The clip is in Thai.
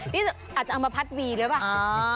นี่อาจจะเอามาพัดวีหรือเปล่า